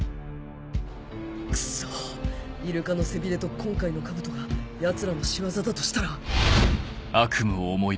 クソイルカの背びれと今回のカブトがヤツらの仕業だとしたら